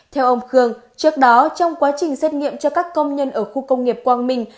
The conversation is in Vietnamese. theo ông khương trước đó trong quá trình xét nghiệm cho các công nhân ở khu công nghiệp quang minh